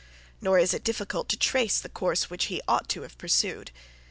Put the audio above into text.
Nor is it difficult to trace the course which he ought to have pursued.